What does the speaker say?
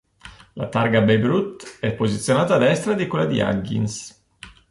La targa a Babe Ruth è posizionata a destra di quella di Huggins.